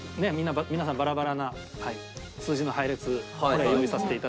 皆さんバラバラな数字の配列用意させていただきました。